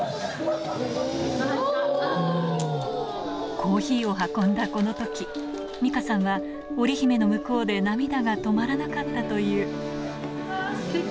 コーヒーを運んだこのとき、ミカさんはオリヒメの向こうで涙が止まらなかったという。